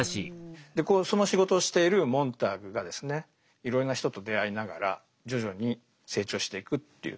でその仕事をしているモンターグがいろいろな人と出会いながら徐々に成長していくっていう。